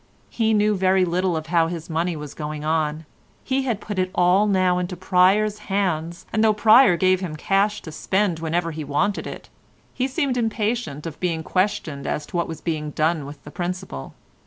He knew very little of how his money was going on; he had put it all now into Pryer's hands, and though Pryer gave him cash to spend whenever he wanted it, he seemed impatient of being questioned as to what was being done with the principal.